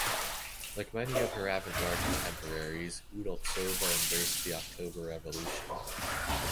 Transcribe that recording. Like many of her avant-garde contemporaries, Udaltsova embraced the October Revolution.